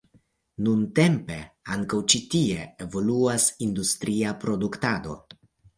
Nuntempe ankaŭ ĉi tie evoluas industria produktado.